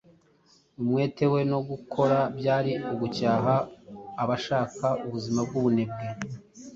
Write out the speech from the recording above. Umwete we no gukora byari ugucyaha abashaka ubuzima bw’ubunebwe